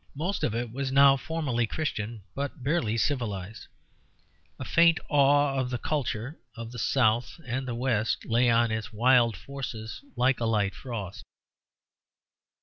Most of it was now formally Christian, but barely civilized; a faint awe of the culture of the south and west lay on its wild forces like a light frost.